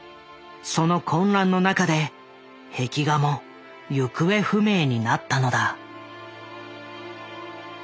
その混乱の中で壁画も行方不明になったのだ。